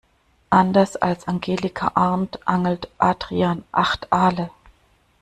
Anders als Angelika Arndt angelt Adrian acht Aale.